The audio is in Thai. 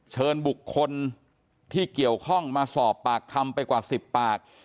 เชิญบุคคลที่เกี่ยวข้องมาสอบปากคำไปกว่า๑๐ปาก